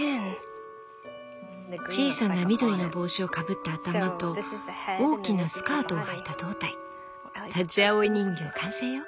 小さな緑の帽子をかぶった頭と大きなスカートをはいた胴体タチアオイ人形完成よ。